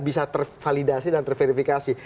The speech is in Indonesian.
bisa tervalidasi dan terverifikasi